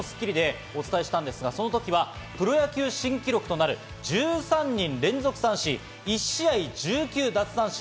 先週にも『スッキリ』でお伝えしたんですが、その時はプロ野球新記録となる１３人連続三振、１試合１９奪三振。